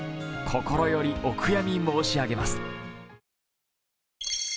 心よりお悔やみ申し上げます。